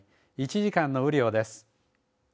１時間の雨量です。